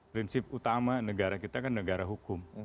prinsip utama negara kita kan negara hukum